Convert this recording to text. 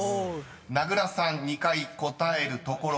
［名倉さん２回答えるところまで］